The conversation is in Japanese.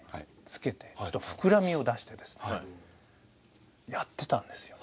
つけてちょっと膨らみを出してですねやってたんですよ。